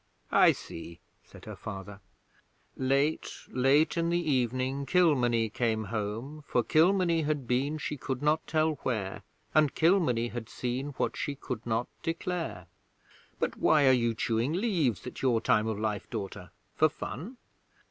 'I see,' said her father. 'Late late in the evening Kilmeny came home, For Kilmeny had been she could not tell where, And Kilmeny had seen what she could not declare. But why are you chewing leaves at your time of life, daughter? For fun?'